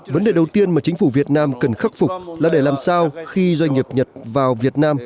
vấn đề đầu tiên mà chính phủ việt nam cần khắc phục là để làm sao khi doanh nghiệp nhật vào việt nam